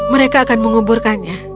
mereka akan menguburkannya